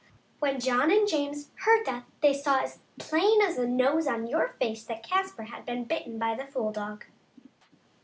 When John and James heard that they saw as plain as the nose on your face that Caspar had been bitten by the fool dog.